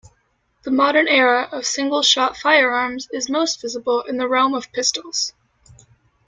The modern era of single-shot firearms is most visible in the realm of pistols.